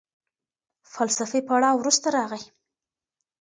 فلسفي پړاو وروسته راغی.